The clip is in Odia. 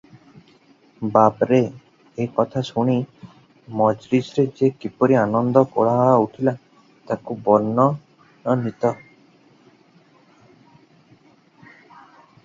ବାପରେ!" ଏ କଥା ଶୁଣି ମଜଲିସରେ ଯେ କିପରି ଆନନ୍ଦ କୋଳାହଳ ଉଠିଲା, ତାହା ବର୍ଣ୍ଣନାତୀତ ।